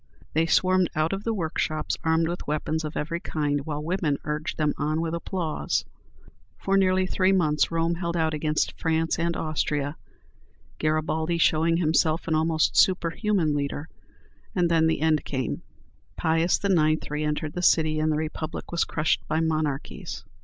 They swarmed out of the workshops armed with weapons of every kind, while women urged them on with applause. For nearly three months Rome held out against France and Austria, Garibaldi showing himself an almost superhuman leader, and then the end came. Pius IX. re entered the city, and the Republic was crushed by monarchies.